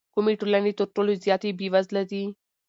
کومې ټولنې تر ټولو زیاتې بېوزله دي؟